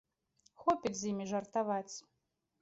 Хопіць з імі жартаваць.